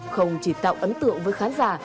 không chỉ tạo ấn tượng với khán giả